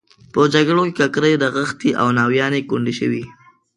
په جګړو کې ککرۍ رغښتې او ناویانې کونډې شوې.